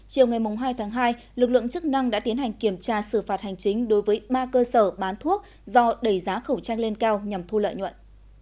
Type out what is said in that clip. chiều ngày hai tháng hai lực lượng chức năng đã tiến hành kiểm tra xử phạt hành chính đối với ba cơ sở bán thuốc do đẩy giá khẩu trang lên cao nhằm thu lợi nhuận